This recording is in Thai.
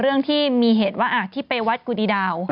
เรื่องที่มีเหตุว่าที่ไปวัดกุดีดาว